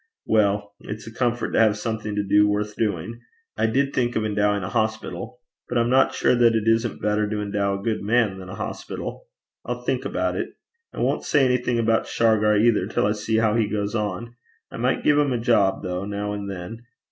Well, it is a comfort to have something to do worth doing. I did think of endowing a hospital; but I'm not sure that it isn't better to endow a good man than a hospital. I'll think about it. I won't say anything about Shargar either, till I see how he goes on. I might give him a job, though, now and then.